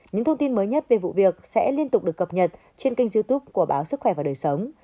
những thông tin mới nhất về vụ việc sẽ liên tục được cập nhật trên kênh youtube của báo sức khỏe và đời sống